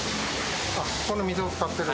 ここの水を使ってる？